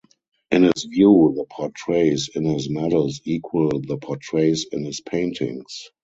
In his view the portraits in his medals equal the portraits in his paintings.